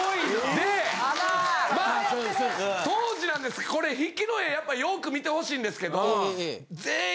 でまあ当時なんですけどこれ引きの画やっぱよく見てほしいんですけど。